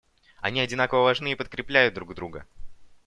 Они одинаково важны и подкрепляют друг друга.